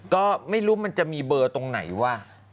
ก็ไม่รู้มันจะมีเบอร์ตรงไหนวะ